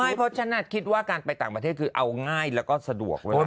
เพราะฉันคิดว่าการไปต่างประเทศคือเอาง่ายแล้วก็สะดวกด้วย